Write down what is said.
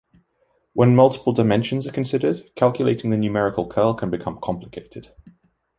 When multiple dimensions are considered, calculating the numerical curl can become complicated.